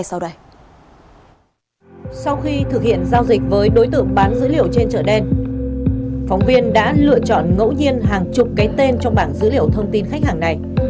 sau khi thực hiện giao dịch với đối tượng bán dữ liệu trên chợ đen phóng viên đã lựa chọn ngẫu nhiên hàng chục cái tên trong bảng dữ liệu thông tin khách hàng này